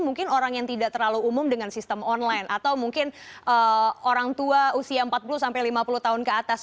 mungkin orang yang tidak terlalu umum dengan sistem online atau mungkin orang tua usia empat puluh sampai lima puluh tahun ke atas